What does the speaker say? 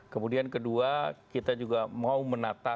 kemudian kedua kita juga mau menata